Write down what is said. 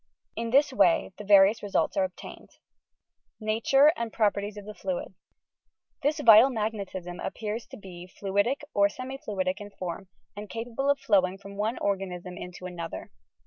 In this way the various results are obtained. NATURE AND PBOPEKTIES OP THE FLUID This vital magnetism appears to be Suidic or semi fluidie in form and capable of flowing from one organism into another.